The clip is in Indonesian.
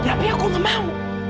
tapi aku gak mau